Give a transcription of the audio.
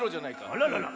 あららら。